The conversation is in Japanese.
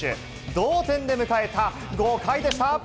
同点で迎えた５回でした。